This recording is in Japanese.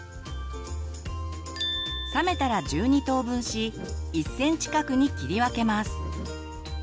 冷めたら１２等分し１センチ角に切り分けます。